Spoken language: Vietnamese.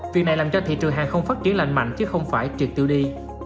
việc này làm cho thị trường hàng không phát triển lành mạnh chứ không phải trượt tiêu đi